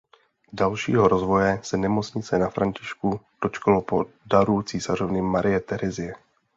Dalšího rozvoje se Nemocnice Na Františku dočkalo po daru císařovny Marie Terezie.